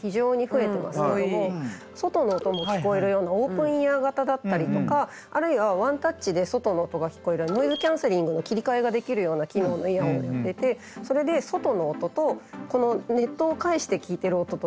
非常に増えてますけども外の音も聞こえるようなオープンイヤー型だったりとかあるいはワンタッチで外の音が聞こえるノイズキャンセリングの切り替えができるような機能のイヤホンをやっててそれでうわそうか。